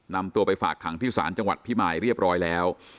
นำตัวไปฝากขังที่ศาลจังหวัดพิมายเรียบร้อยแล้ว